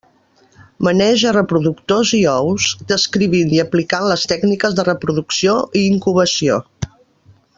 Maneja reproductors i ous, descrivint i aplicant les tècniques de reproducció i incubació.